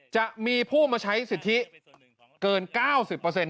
จะมีผู้มาใช้สิทธิเกิน๙๐เปอร์เซ็นต์